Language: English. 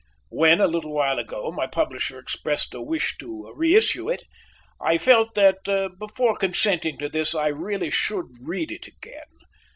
When, a little while ago, my publisher expressed a wish to reissue it, I felt that, before consenting to this, I really should read it again.